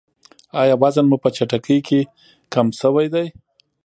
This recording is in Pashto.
ایا وزن مو په چټکۍ کم شوی دی؟